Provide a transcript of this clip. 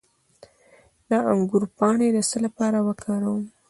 د انګور پاڼې د څه لپاره وکاروم؟